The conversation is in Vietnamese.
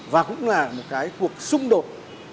và cũng là một cái cuộc xung đột